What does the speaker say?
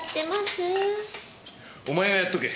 お前がやっとけ。